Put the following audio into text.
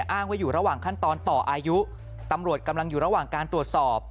อ้างว่าอยู่ระหว่างขั้นตอนต่ออายุตำรวจกำลังอยู่ระหว่างการตรวจสอบ